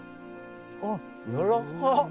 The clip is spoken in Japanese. あっやわらかっ。